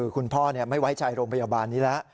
คุณพ่อไม่ไว้ใจโรงพยาบาลนี้แล้ว